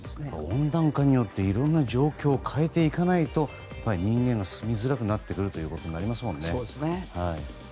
温暖化によっていろいろな状況を変えていかないと人間が住みづらくなってくるということになりますね。